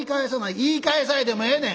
「言い返さいでもええねん」。